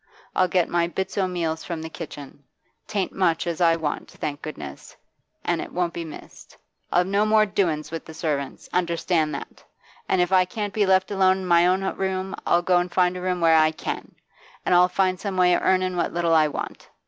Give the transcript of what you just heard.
I'll get my bits o' meals from the kitchen. 'Tain't much as I want, thank goodness, an' it won't be missed. I'll have no more doin's with servants, understand that; an' if I can't be left alone i' my own room, I'll go an' find a room where I can, an' I'll find some way of earnin' what little I want.